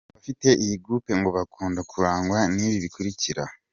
Abafite iyi groupe ngo bakunda kurangwa n’ibi bikurikira:.